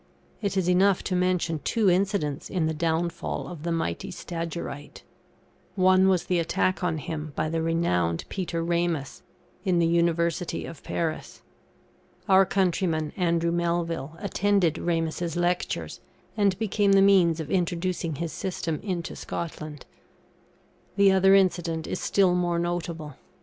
It is enough to mention two incidents in the downfall of the mighty Stagyrite. One was the attack on him by the renowned Peter Rainus, in the University of Paris. Our countryman, Andrew Melville, attended Ramus's Lectures, and became the means of introducing his system into Scotland. The other incident is still more notable.